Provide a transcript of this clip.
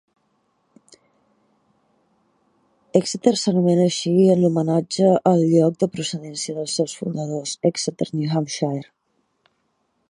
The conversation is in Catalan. Exeter s'anomena així en homenatge al lloc de procedència dels seus fundadors, Exeter (New Hampshire).